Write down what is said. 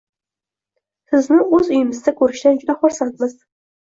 Sizni o'z uyimizda ko'rishdan juda xursandmiz.